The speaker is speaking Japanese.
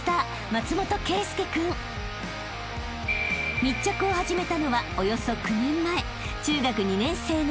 ［密着を始めたのはおよそ９年前］